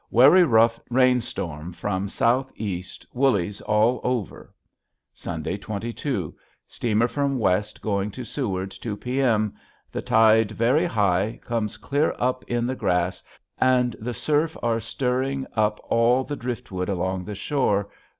S. 21. Wary rof rainstorm from Soght Est. Wullys all over. Sun. 22. Steamer from West going to Seward 2 P.M. the tied vary Hie Comes clear up in the gras and the surf ar Stiring up all the Driftwood along the shore.